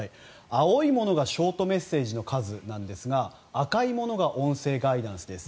青いものがショートメッセージの数ですが赤いものが音声ガイダンスです。